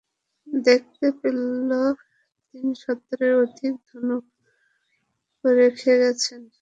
দেখতে পেল তিনি সত্তরের অধিক ধনুক রেখে গেছেন।